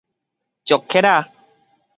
石級仔